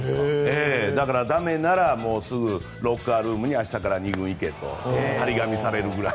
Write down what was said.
だから、駄目ならすぐロッカールームに明日から２軍に行けと貼り紙されるくらい。